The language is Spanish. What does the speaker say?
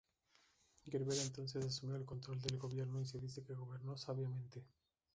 Gerberga entonces asumió el control del gobierno, y se dice que gobernó sabiamente.